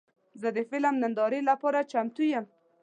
زه د فلم نندارې لپاره چمتو یم.